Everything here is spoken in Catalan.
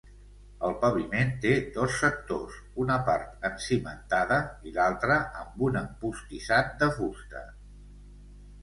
El paviment té dos sectors una part encimentada i l'altra amb un empostissat de fusta.